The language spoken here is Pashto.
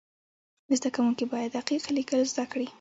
زده کوونکي باید دقیق لیکل زده کړي.